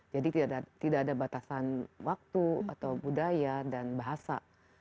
tidak ada batasan waktu atau budaya dan bahasa